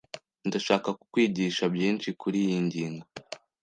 Ndashaka kukwigisha byinshi kuriyi ngingo